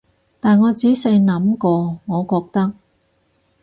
但我仔細諗過，我覺得